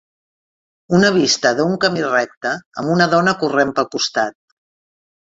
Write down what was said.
Una vista d'un camí recte amb una dona corrent pel costat.